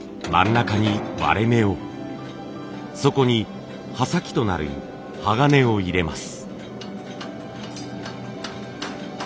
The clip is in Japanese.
そこに刃先となる鋼を入れます。